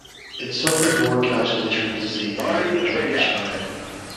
It suffered more casualties from disease than from Turkish fire.